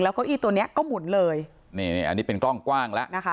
เก้าอี้ตัวเนี้ยก็หมุนเลยนี่นี่อันนี้เป็นกล้องกว้างแล้วนะคะ